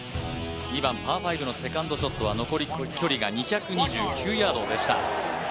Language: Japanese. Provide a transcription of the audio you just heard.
２番パー５のセカンドショットは残り距離が２２９ヤードでした。